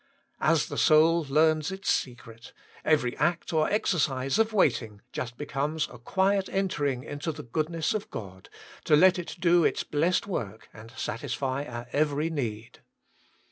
As the soul learns its secret, every act or exercise of waiting just becomes a quiet entering into the goodness of God, to let it do its blessed work and satisfy our every need.